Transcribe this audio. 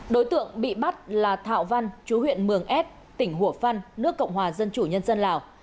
đối tượng bị bắt là thạo văn chú huyện mường s tỉnh hủa phăn nước cộng hòa dân chủ nhân dân lào